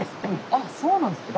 あそうなんですか。